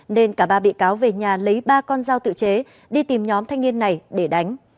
nên cả ba bị cáo về nhà lấy ba con dao tự chế đi tìm nhóm thanh niên này để đánh